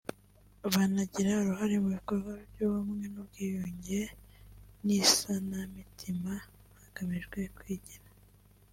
banagira uruhare mu bikorwa by’ubumwe n’ubwiyunge n’isanamitima hagamijwe kwigira